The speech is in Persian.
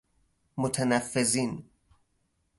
متنفذین